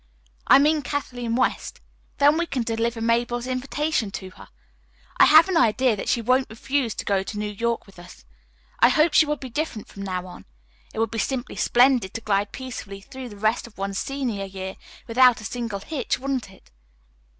"I mean Kathleen West. Then we can deliver Mabel's invitation to her. I have an idea that she won't refuse to go to New York with us. I hope she will be different from now on. It would be simply splendid to glide peacefully through the rest of one's senior year without a single hitch, wouldn't it?"